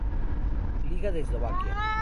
Liga de Eslovaquia.